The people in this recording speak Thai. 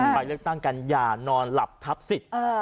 ใครเลือกตั้งกันอย่านอนหลับทับสิ